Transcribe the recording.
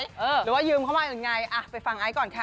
หรือว่ายืมเข้ามายังไงไปฟังไอซ์ก่อนค่ะ